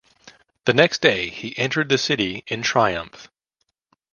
The next day he entered the city in triumph.